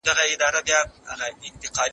د مور ارام چلند ماشوم ته ګټه لري.